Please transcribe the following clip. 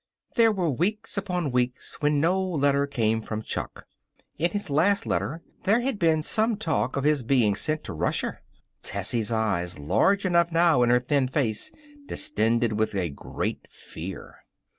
There were weeks upon weeks when no letter came from Chuck. In his last letter there had been some talk of his being sent to Russia. Tessie's eyes, large enough now in her thin face, distended with a great fear.